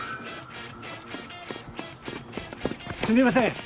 すみません！